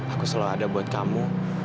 aku selalu ada buat kamu